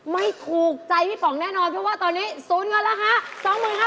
ไม่ถูกใจพี่ป๋องแน่นอนเพราะว่าตอนนี้๐เงินแล้วฮะ